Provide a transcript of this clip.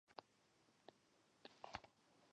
这可以用高斯算法验证。